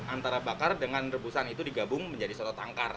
antara bakar dengan rebusan itu digabung menjadi soto tangkar